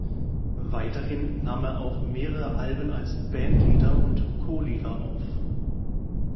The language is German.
Weiterhin nahm er auch mehrere Alben als Bandleader und Co-Leader auf.